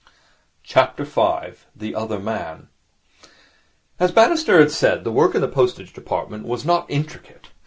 5. The Other Man As Bannister had said, the work in the postage department was not intricate.